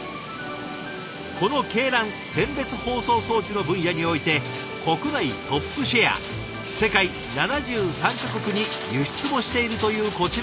この「鶏卵・選別包装装置」の分野において国内トップシェア世界７３か国に輸出もしているというこちらの会社。